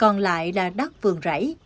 còn lại là đất vườn rẫy